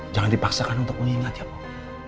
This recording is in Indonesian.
jangan dipaksakan untuk mengingat ya pak